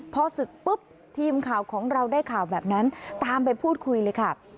พอศึกปุ๊บทีมข่าวของเราได้ข่าวแบบนั้นตามไปพูดคุยเลยค่ะ